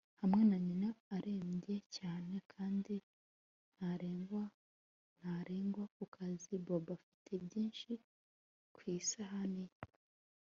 Hamwe na nyina arembye cyane kandi ntarengwa ntarengwa ku kazi Bobo afite byinshi ku isahani ye